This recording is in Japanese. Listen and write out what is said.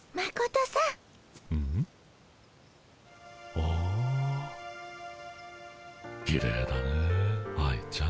おおきれいだね愛ちゃん。